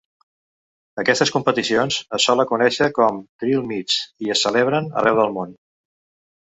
Aquestes competicions es solen conèixer com "drill meets" i es celebren arreu el món.